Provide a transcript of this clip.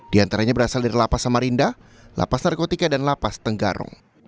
di antaranya berasal dari lapas samarinda lapas narkotika dan lapas tenggarong